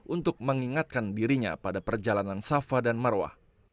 untuk mengingatkan dirinya pada perjalanan safa dan marwah